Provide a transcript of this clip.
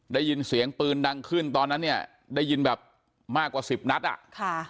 ได้ยินเสียงปืนดังขึ้นตอนนั้นเนี่ยได้ยินแบบมากกว่าสิบนัดอ่ะค่ะ